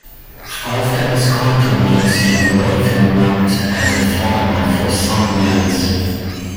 After this controversy Murphy worked as a farmer for some years.